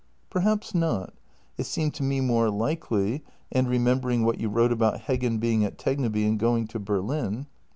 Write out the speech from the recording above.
" Perhaps not. It seemed to me more likely, and, remember ing what you wrote about Heggen being at Tegneby and going to Berlin.